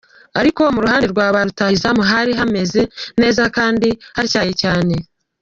Ariko mu ruhande rwa barutaha izamu hari hameze neza kandi hatyaye cyane.